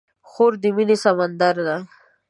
خور د مینې سمندر ده.